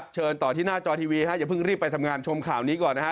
เชิญต่อที่หน้าจอทีวีฮะอย่าเพิ่งรีบไปทำงานชมข่าวนี้ก่อนนะฮะ